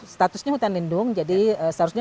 statusnya hutan lindung jadi seharusnya